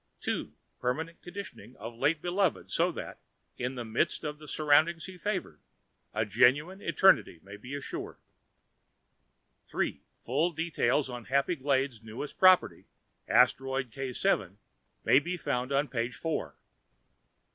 "2. PERMANENT conditioning of late beloved so that, in the midst of surroundings he favored, a genuine Eternity may be assured. "3. Full details on HAPPY GLADES' newest property, Asteroid K_, may be found on page 4."